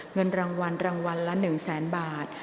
เงินรางวัลรางวัลละ๑แสนบาท